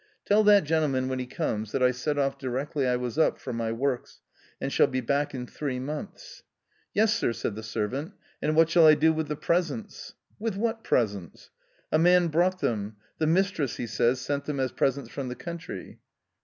.' "Tell that gentleman when he comes, that I set off 'directly I was up for my works, and shall be back in three /months." " Yes, sir," said the servant, " and what shall I do with the presents ?"" With what presents ?"" A man brought them : the mistress, he says, sent them as presents from the country."